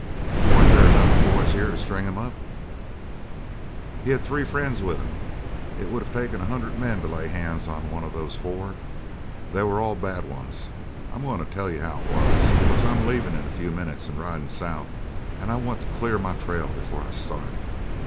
"Weren't there enough boys here to string him up?" "He had three friends with him. It would of taken a hundred men to lay hands on one of those four. They were all bad ones. I'm goin' to tell you how it was, because I'm leavin' in a few minutes and ridin' south, an' I want to clear my trail before I start.